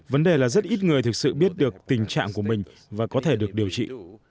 vấn đề là rất ít người thực sự biết được tình trạng của mình và có thể được điều trị